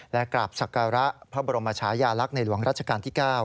และกราบศักระพระบรมชายาลักษณ์ในหลวงรัชกาลที่๙